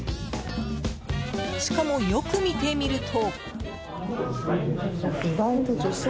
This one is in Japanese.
しかも、よく見てみると。